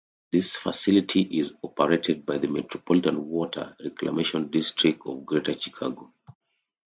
This facility is operated by the Metropolitan Water Reclamation District of Greater Chicago.